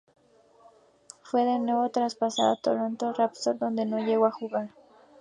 Fue de nuevo traspasado a Toronto Raptors, donde no llegó a jugar.